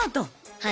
はい。